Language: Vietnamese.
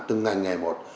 từng ngành ngày một